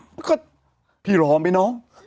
ผมก็พี่รอมไหมน้อง